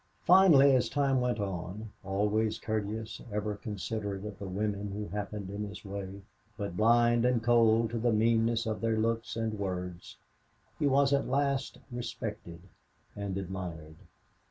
Finally, as time went on, always courteous, even considerate of the women who happened in his way, but blind and cold to the meaning of their looks and words, he was at last respected and admired.